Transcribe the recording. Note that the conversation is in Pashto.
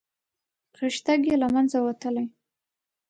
خښتګ یې له منځه وتلی.